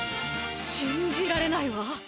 しんじられないわ。